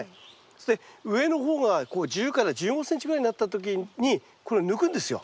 そして上の方が１０から１５ｃｍぐらいになった時にこれを抜くんですよ。